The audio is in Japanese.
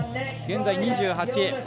現在２８位。